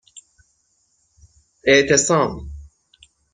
اِعتصام